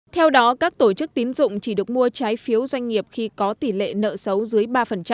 theo đó các tổ chức tín dụng chỉ được mua trái phiếu doanh nghiệp khi có tỷ lệ nợ xấu dưới ba